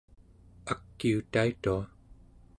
akiutaitua